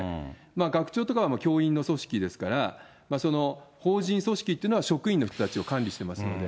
学長とかは教員の組織ですから、法人組織っていうのは、職員の人たちを管理してますので。